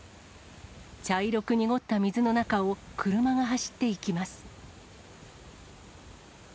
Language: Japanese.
茶色く濁った水の中を車が走っていきます。